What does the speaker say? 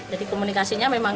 jadi komunikasinya memang